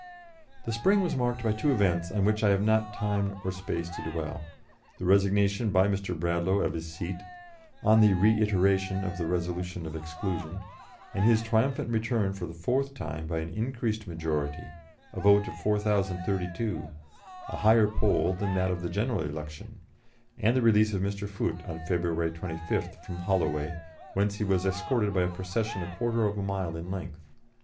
The spring was marked by two events on which I have not time or space to dwell the resignation by Mr. Bradlaugh of his seat, on the reiteration of the resolution of exclusion, and his triumphant return for the fourth time by an increased majority, a vote of 4,032, a higher poll than that of the general election; and the release of Mr. Foote, on February 25th, from Holloway, whence he was escorted by a procession a quarter of a mile in length.